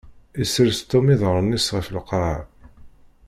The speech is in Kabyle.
Isres Tom iḍaṛṛen-is ɣef lqaɛa.